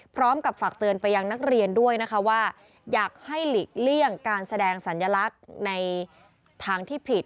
พร้อมกับฝากเตือนไปยังนักเรียนด้วยนะคะว่าอยากให้หลีกเลี่ยงการแสดงสัญลักษณ์ในทางที่ผิด